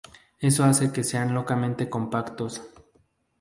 Eso hace que sean localmente compactos.